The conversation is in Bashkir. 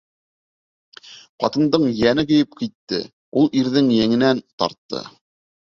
Ҡатындың йәне көйөп китте, ул ирҙең еңенән тартты.